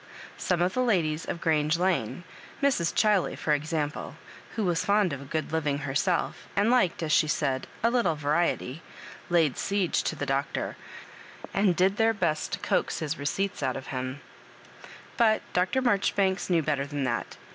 Some of the ladies of Grange Lane— Mrs. Ohiley, for example, who was fond of good living herself, and liked, as she said, '* a little variety "— ^laid siege to the Doctor, and did their best to coax his rec^pts out of him : but Dr. Marjoribanks knew better than tliat.